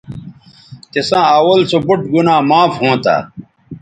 تِساں اول سو بُوٹ گنا معاف ھونتہ